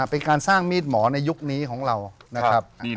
เป็นการสร้างมีดหมอในยุคนี้ของเรานะครับ